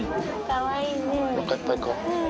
おなかいっぱいか。